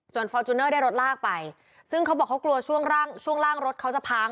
ส่วนฟอร์จูเนอร์ได้รถลากไปซึ่งเขาบอกเขากลัวช่วงร่างช่วงล่างรถเขาจะพัง